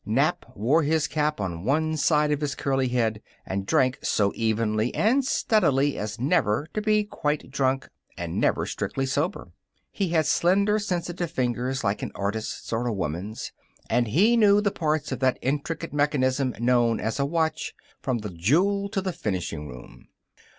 Nap wore his cap on one side of his curly head, and drank so evenly and steadily as never to be quite drunk and never strictly sober. He had slender, sensitive fingers like an artist's or a woman's, and he knew the parts of that intricate mechanism known as a watch from the jewel to the finishing room.